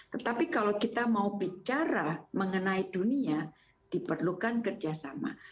tetapi kalau kita mau bicara mengenai dunia diperlukan kerjasama